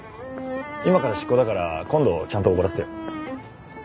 今から執行だから今度ちゃんとおごらせてよ。